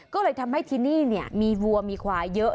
ก็เลยทำให้ที่นี่มีวัวมีควายเยอะ